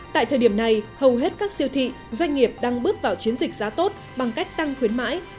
tại thời điểm này hầu hết các siêu thị doanh nghiệp đang bước vào chiến dịch giá tốt bằng cách tăng khuyến mãi